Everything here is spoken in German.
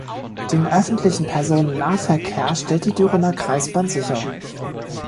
Den öffentlichen Personennahverkehr stellt die Dürener Kreisbahn sicher.